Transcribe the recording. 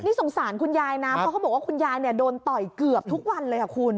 นี่สงสารคุณยายนะเพราะเขาบอกว่าคุณยายเนี่ยโดนต่อยเกือบทุกวันเลยค่ะคุณ